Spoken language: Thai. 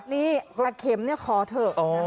นี่แข็บเข็มคอเถอะ